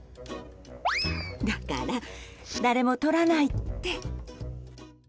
だから誰も取らないって。